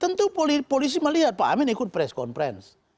tentu polisi melihat pak amin ikut press conference